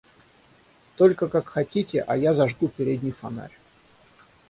Только, как хотите, а я зажгу передний фонарь.